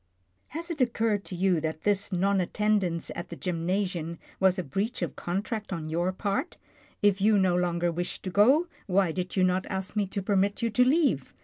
, r " Has it occurred to you that this non attendance at the gymnasium was a breach of contract on your part? If you no longer wished to go, why did you not ask me to permit you to leave?